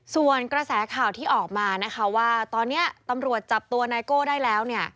ส่วนกระแสข่าวที่ออกมาว่าตอนนี้ตำรวจจับตัวไนโก้ได้แล้ว